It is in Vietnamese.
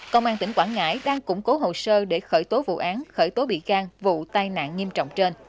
công an tỉnh quảng ngãi đang củng cố hồ sơ để khởi tố vụ án khởi tố bị can vụ tai nạn nghiêm trọng trên